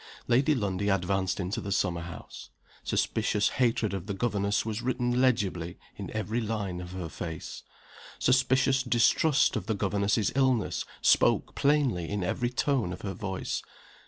Lady Lundie advanced into the summer house. Suspicious hatred of the governess was written legibly in every line of her face. Suspicious distrust of the governess's illness spoke plainly in every tone of her voice.